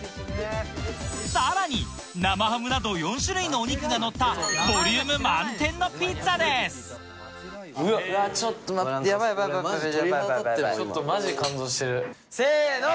さらに生ハムなど４種類のお肉がのったボリューム満点のピッツァですせの！